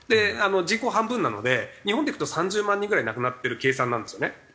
人口半分なので日本でいくと３０万人ぐらい亡くなってる計算なんですよね。